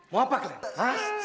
mau apa kalian